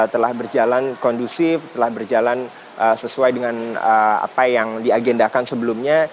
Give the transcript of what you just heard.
telah berjalan kondusif telah berjalan sesuai dengan apa yang diagendakan sebelumnya